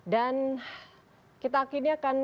dan kita akhirnya akan